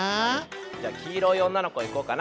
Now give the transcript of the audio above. じゃあきいろいおんなのこいこうかな。